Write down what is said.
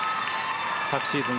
昨シーズン